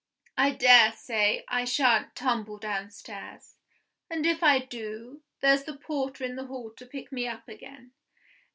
I dare say I shan't tumble downstairs; and, if I do, there's the porter in the hall to pick me up again.